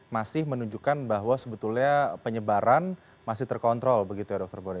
masih menunjukkan bahwa sebetulnya penyebaran masih terkontrol begitu ya dokter boni